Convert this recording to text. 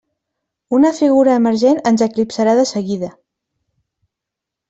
Una figura emergent ens eclipsarà de seguida.